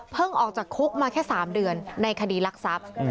เผิ่งออกจากคุกมาแค่สามเดือนในคดีลักษัพอืม